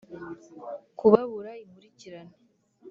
kubabura inkurikirane